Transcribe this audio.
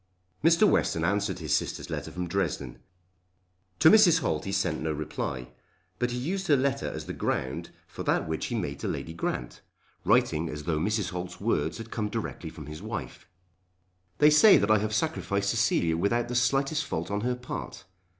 Mr. Western answered his sister's letter from Dresden. To Mrs. Holt he sent no reply: but he used her letter as the ground for that which he made to Lady Grant, writing as though Mrs. Holt's words had come directly from his wife. "They say that I have sacrificed Cecilia without the slightest fault on her part.